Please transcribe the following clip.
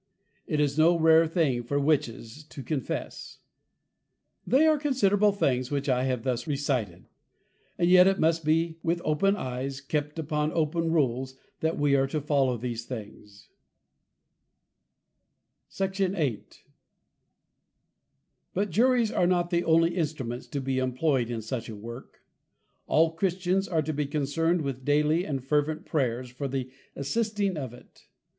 It is no Rare thing, for Witches to Confess.' They are Considerable Things, which I have thus Recited; and yet it must be with Open Eyes, kept upon Open Rules, that we are to follow these things, S. 8. But Juries are not the only Instruments to be imploy'd in such a Work; all Christians are to be concerned with daily and fervent Prayers, for the assisting of it.